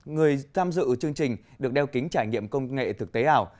người tham dự chương trình được đeo kính trải nghiệm công nghệ thực tế ảo